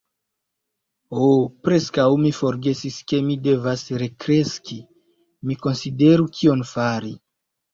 Ho, preskaŭ mi forgesis ke mi devas rekreski! Mi konsideru kion fari.